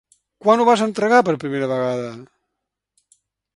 Quan ho vas entregar per primera vegada?